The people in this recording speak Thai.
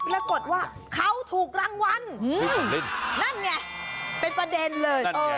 ปรากฏว่าเขาถูกรางวัลนั่นไงเป็นประเด็นเลย